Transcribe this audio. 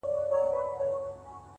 • چي در رسېږم نه ـ نو څه وکړم ه ياره ـ